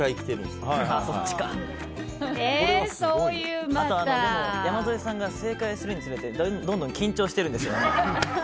でも、山添さんが正解するにつれてどんどん緊張してるんですよ。